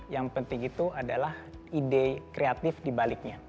yang penting itu adalah ide kreatif di baliknya